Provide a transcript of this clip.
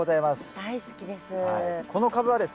大好きです。